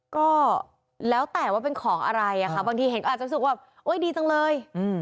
ก็แล้วแต่ว่าเป็นของอะไรอะค่ะบางทีเห็นก็อาจจะรู้สึกว่าโอ๊ยดีจังเลย